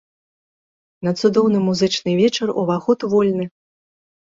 На цудоўны музычны вечар уваход вольны!